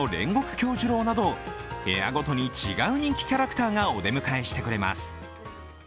杏寿郎など部屋ごとに違う人気キャラクターがお出迎えしてくれます。